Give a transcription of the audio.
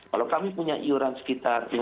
kalau kami punya iur an sekitar